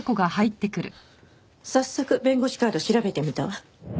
早速弁護士カード調べてみたわ。